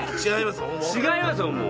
違いますよ、もう。